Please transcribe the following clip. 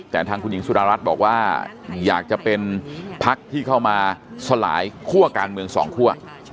แต่ทางคุณหญิงสุดารัฐบอกว่าอยากจะเป็นพักที่เข้ามาสลายคั่วการเมืองสองคั่ว